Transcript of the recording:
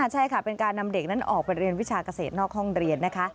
ใช่ค่ะเป็นการนำเด็กนั้นออกไปเรียนวิชาเกษตรนอกห้องเรียนนะคะ